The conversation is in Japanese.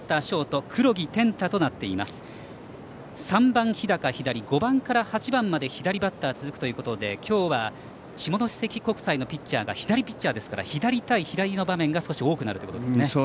３番、日高が左５番から８番まで左バッターが続くということで今日は下関国際のピッチャーが左ピッチャーですから左対左の場面が多くなるということですね。